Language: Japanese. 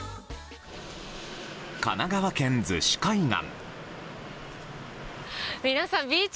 神奈川県逗子海岸。